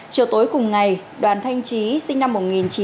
chiều tối cùng ngày đoàn thanh chí sinh năm một nghìn chín trăm chín mươi hai